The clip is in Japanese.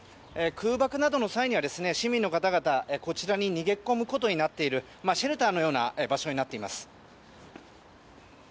空爆などの際には市民の方々、こちらに逃げ込むことになっているシェルターのような場所になっています。